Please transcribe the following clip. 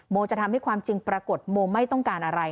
จะทำให้ความจริงปรากฏโมไม่ต้องการอะไร